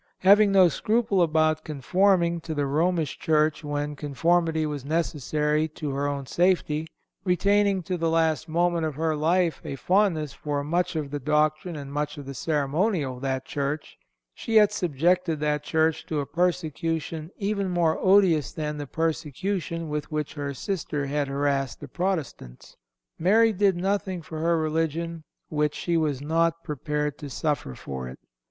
"Having no scruple about conforming to the Romish Church when conformity was necessary to her own safety, retaining to the last moment of her life a fondness for much of the doctrine and much of the ceremonial of that Church, she yet subjected that Church to a persecution even more odious than the persecution with which her sister had harassed the Protestants. Mary ... did nothing for her religion which she was not prepared to suffer for it.